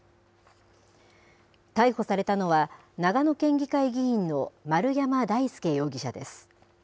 逮捕されたのは、長野県議会議員の丸山大輔容疑者です。